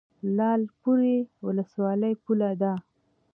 لعل پورې ولسوالۍ پوله ده؟